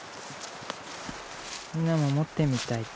みなも持ってみたいって。